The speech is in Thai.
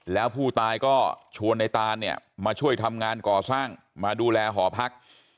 แล้วผู้ตายก็ชวนในตานเนี่ยมาช่วยทำงานก่อสร้างมาดูแลหอพัก